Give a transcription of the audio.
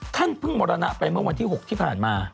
ท่านเพิ่งมรณะไปเมื่อวันที่๖ที่ผ่านมา